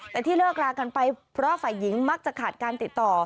แต่ที่เลิกลากันไปเพราะฝ่ายหญิงมักจะขาดการติดต่อ